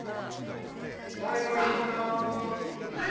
だれがいいかな？